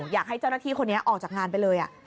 อยากให้เจ้าหน้าที่คนนี้ออกจากงานไปเลย